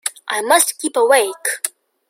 I must keep awake.